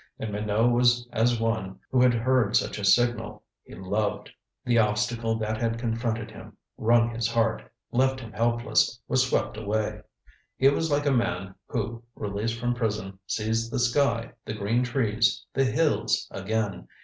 And Minot was as one who had heard such a signal. He loved. The obstacle that had confronted him, wrung his heart, left him helpless, was swept away. He was like a man who, released from prison, sees the sky, the green trees, the hills again.